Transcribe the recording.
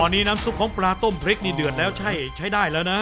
ตอนนี้น้ำซุปของปลาต้มพริกนี่เดือดแล้วใช่ใช้ได้แล้วนะ